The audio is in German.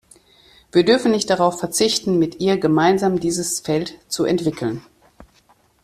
Wir dürfen nicht darauf verzichten, mit ihr gemeinsam dieses Feld zu entwickeln.